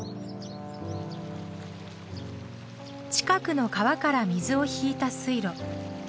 近くの川から水を引いた水路。